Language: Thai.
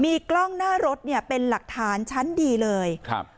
มีกล้องหน้ารถเนี่ยเป็นหลักฐานชั้นดีเลยครับ